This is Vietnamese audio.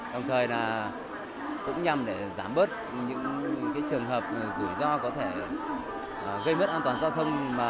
đồng thời là cũng nhằm để giảm bớt những trường hợp rủi ro có thể gây mất an toàn giao thông